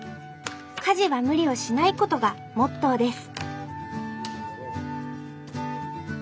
家事は無理をしないことがモットーです。